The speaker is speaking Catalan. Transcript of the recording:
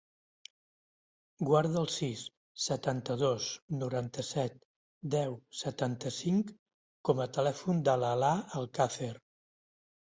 Guarda el sis, setanta-dos, noranta-set, deu, setanta-cinc com a telèfon de l'Alaa Alcacer.